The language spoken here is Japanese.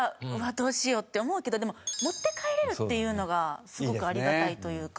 どうしようって思うけどでも持って帰れるっていうのがすごくありがたいというか。